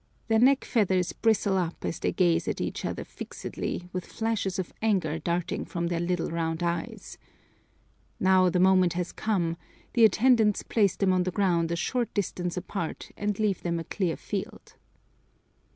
Their neck feathers bristle up as they gaze at each other fixedly with flashes of anger darting from their little round eyes. Now the moment has come; the attendants place them on the ground a short distance apart and leave them a clear field.